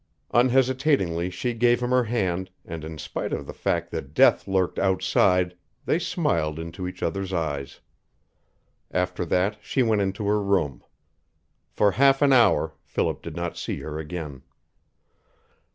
Unhesitatingly she gave him her hand, and in spite of the fact that death lurked outside they smiled into each other's eyes. After that she went into her room. For half an hour Philip did not see her again.